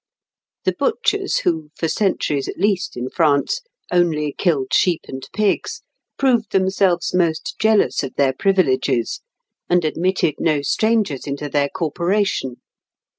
The butchers who, for centuries at least in France, only killed sheep and pigs, proved themselves most jealous of their privileges, and admitted no strangers into their corporation.